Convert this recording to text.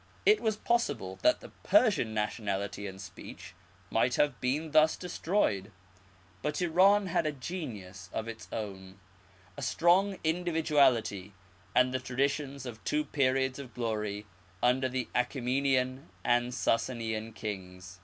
It was possible that the Persian nationality and speech might have been thus destroyed. But Iran had a genius of its own. The Arabic Language. 27 a strong individuality, and the traditions of two periods of glory under the Achsemenian and Sassanian kings.